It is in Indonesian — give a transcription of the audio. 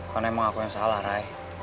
karena emang aku yang salah ray